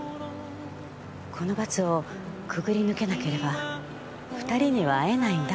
この罰を潜り抜けなければ２人には会えないんだって。